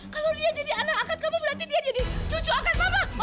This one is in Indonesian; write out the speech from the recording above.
kalau dia jadi anak akan kamu berarti dia jadi cucu akan mama